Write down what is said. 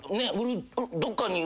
どっかに。